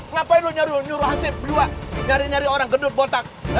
ngapain lu nyuruh hacib dua nyari nyari orang gendut botak